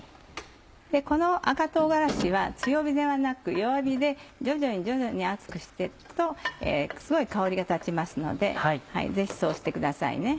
この赤唐辛子は強火ではなく弱火で徐々に徐々に熱くして行くとすごい香りが立ちますのでぜひそうしてください。